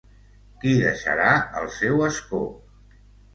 Qui deixarà el seu escó?